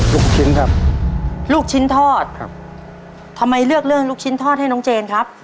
ลูกชิ้นครับลูกชิ้นทอดครับทำไมเลือกเรื่องลูกชิ้นทอดให้น้องเจนครับ